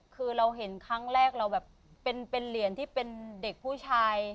คือเราเห็นครั้งแรกเราแบบเป็นเหรียญที่เป็นเด็กผู้ชาย